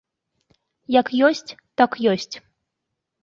Як ёсць, так ёсць.